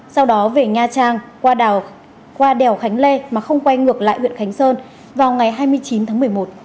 sau đó về nha trang qua đèo khánh lê mà không quay ngược lại huyện khánh sơn vào ngày hai mươi chín tháng một mươi một